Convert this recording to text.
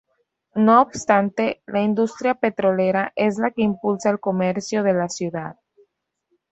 No obstante, la industria petrolera es la que impulsa el comercio de la ciudad.